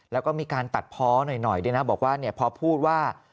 แล้วก็มีการตัดเพาะหน่อยด้วยนะบอกว่าพอพูดว่า